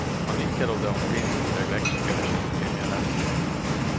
A Nickelodeon pénzügyileg legsikeresebb filmje lett.